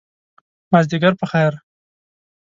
مازدیګر په خیر !